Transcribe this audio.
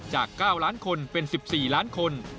จาก๙ล้านคนเป็น๑๔ล้านคน